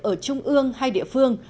ở trung ương hay địa phương